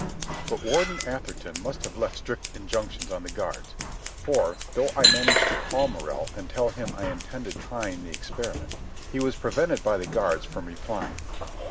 But Warden Atherton must have left strict injunctions on the guards, for, though I managed to call Morrell and tell him I intended trying the experiment, he was prevented by the guards from replying.